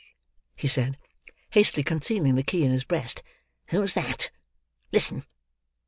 he said, hastily concealing the key in his breast; "who's that? Listen!"